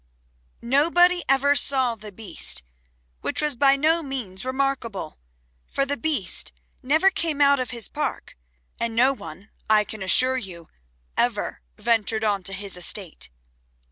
Nobody ever saw the Beast, which was by no means remarkable, for the Beast never came out of his Park, and no one, I can assure you, ever ventured on to his estate.